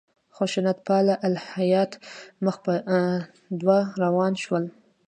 خشونت پاله الهیات مخ په وده روان شول.